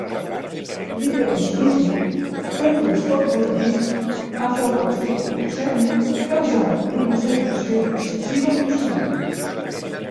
L'hiperinsulinisme també es pot referir a formes d'hipoglucèmia causada per una secreció excessiva d'insulina.